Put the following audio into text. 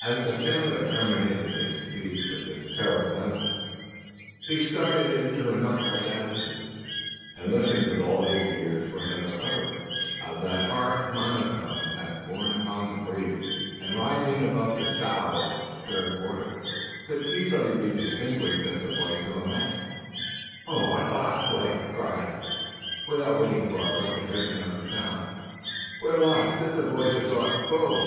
As the sailor terminated his speech with this terrible emphasis, he started into an upright attitude, and listened with all his ears for another utterance of that harsh monotone that, borne upon the breeze and rising above the "sough" of the disturbed water, could easily be distinguished as the voice of a man. "We're lost, Will'm!" cried he, without waiting for a repetition of the sound; "we're lost. It's the voice of Le Gros.